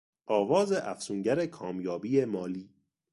آواز افسونگر کامیابی مالی